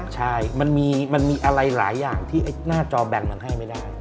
ใช่มันมีอะไรหลายอย่างที่หน้าจอแบ่งมันให้ไม่ได้